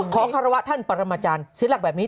ขอขอรวาท่านปรมาจารย์ศิลักษณ์แบบนี้